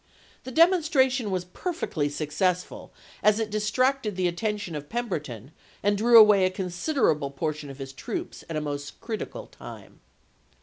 The demonstration was perfectly successful, as it distracted the attention of Pem berton and drew away a considerable portion of his troops at a most critical time.